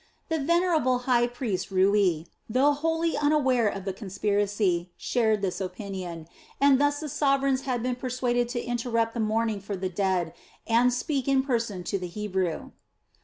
The venerable high priest Rui, though wholly unaware of the conspiracy, shared this opinion, and thus the sovereigns had been persuaded to interrupt the mourning for the dead and speak in person to the Hebrew.